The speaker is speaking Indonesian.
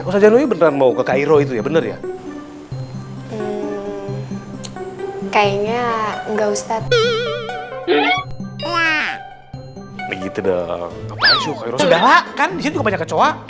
usaha beneran mau ke cairo itu ya bener ya kayaknya enggak ustadz begitu dong